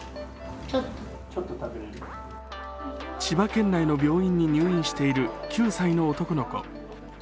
千葉県内の病院に入院している９歳の男の子。